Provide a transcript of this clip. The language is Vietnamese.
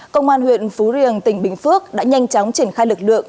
công an huyện phú riềng tỉnh bình phước đã nhanh chóng triển khai lực lượng